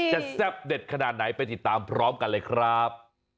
แซ่บเด็ดขนาดไหนไปติดตามพร้อมกันเลยครับ